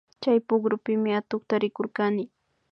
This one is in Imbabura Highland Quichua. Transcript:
Chay pukrupimi atukta rikurkani